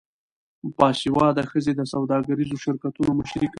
باسواده ښځې د سوداګریزو شرکتونو مشري کوي.